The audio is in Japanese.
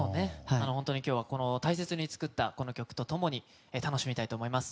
本当に今日は大切に作ったこの曲と共に楽しみたいと思います。